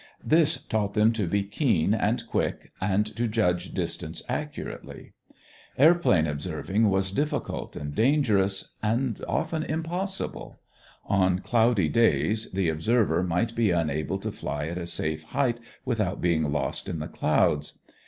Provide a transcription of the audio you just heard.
This taught them to be keen and quick and to judge distance accurately. Airplane observing was difficult and dangerous, and often impossible. On cloudy days the observer might be unable to fly at a safe height without being lost in the clouds.